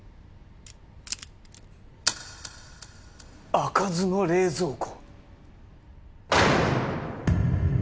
開かずの冷蔵庫。